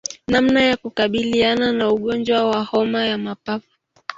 Namna ya kukabiliana na ugonjwa wa homa ya mapafu